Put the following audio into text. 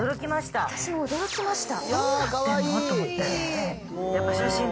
私も驚きました。